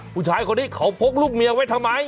ผู้ชายคนนี้เขาพกลูกเมียไว้ทำไม